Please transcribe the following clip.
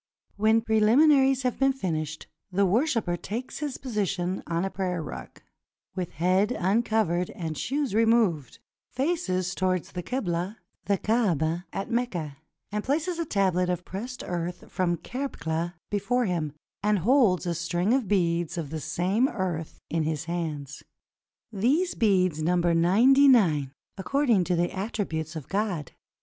When preliminaries have been finished, the worshiper 458 A PERSIAN MOIiAMMEDAN AT PRAYER takes his position on a prayer rug, with head uncovered and shoes removed, faces toward the Kebla, the Kaaba at Mecca, and places a tablet of pressed earth from Kerbcla before him, and holds a string of beads of the same earth in his hands. These beads number ninety nine, according to the attributes of God.